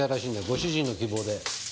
ご主人の希望で。